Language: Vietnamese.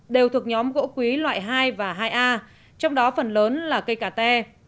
đều thuộc nhóm gỗ quý loại hai và hai a trong đó phần lớn là cây cà tê